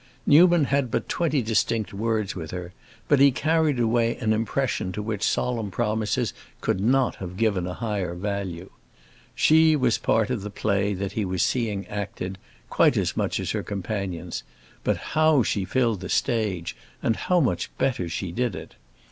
Newman had but twenty distinct words with her, but he carried away an impression to which solemn promises could not have given a higher value. She was part of the play that he was seeing acted, quite as much as her companions; but how she filled the stage and how much better she did it!